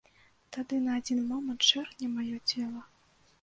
Тады на адзін момант шэрхне маё цела.